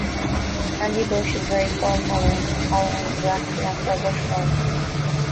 Kanji bush is very fire tolerant and colonises rapidly after a bushfire.